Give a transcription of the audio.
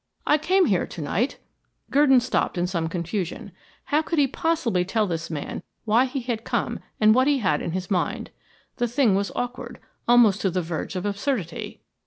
I came here to night " Gurdon stopped in some confusion. How could he possibly tell this man why he had come and what he had in his mind? The thing was awkward almost to the verge of absurdity.